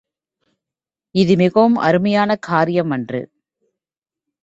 இது மிகவும் அருமையான காரியம் அன்று.